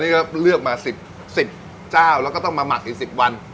นี่ก็เลือกมา๑๐เจ้าแล้วก็ต้องมาหมักอีก๑๐วัน